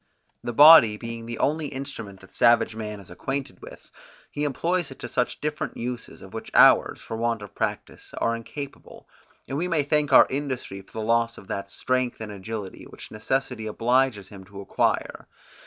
The body being the only instrument that savage man is acquainted with, he employs it to different uses, of which ours, for want of practice, are incapable; and we may thank our industry for the loss of that strength and agility, which necessity obliges him to acquire.